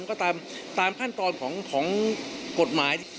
ก็ตามขั้นตอนของกฎหมาย